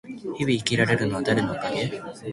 日々生きられているのは誰のおかげ？